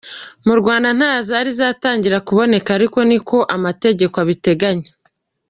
Mu Rwanda ntazari zatangira kuboneka ari niko amategeko abiteganya”.